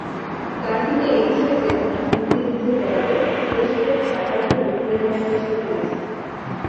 গানটিতে একুশের চেতনা, মুক্তিযুদ্ধের গল্প, দেশপ্রেমের ব্যাপারগুলো তুলে ধরার চেষ্টা করেছি।